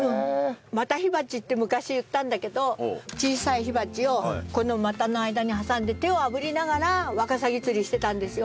股火鉢って昔言ったんだけど小さい火鉢をこの股の間に挟んで手をあぶりながらワカサギ釣りしてたんですよ。